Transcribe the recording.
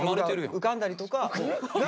浮かんだりとか。